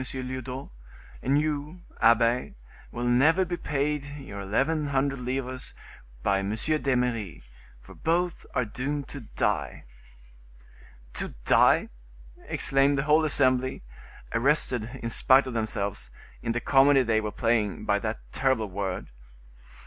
Lyodot; and you, abbe, will never be paid you eleven hundred livres by M. d'Eymeris; for both are doomed to die." "To die!" exclaimed the whole assembly, arrested, in spite of themselves, in the comedy they were playing, by that terrible word.